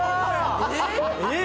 ・えっ！？